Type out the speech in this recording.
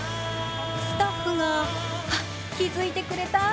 スタッフがあっ、気づいてくれた。